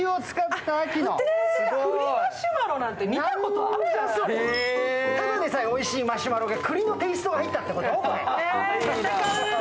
ただでさえおいしいマシュマロが栗のテイストが入ったってこと。